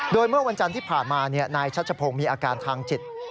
โดยเมื่อวันจันทร์ที่ผ่านมานายชัชพงศ์มีอาการทางจิต